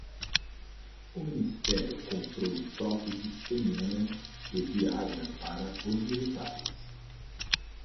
O ministério comprou próteses penianas e Viagra para os militares